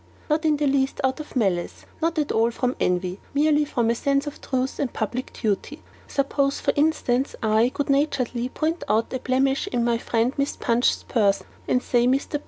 Not in the least out of malice; not at all from envy; merely from a sense of truth and public duty. Suppose, for instance, I, good naturedly point out a blemish in my friend MR. PUNCH'S person, and say, MR.